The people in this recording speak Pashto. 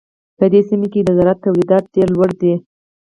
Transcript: په دې سیمه کې د زراعت تولیدات ډېر لوړ دي.